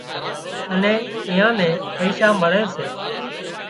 اين ايئان نين پئيشا مۯي سي